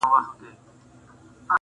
په ما ډکي خزانې دي لوی بانکونه!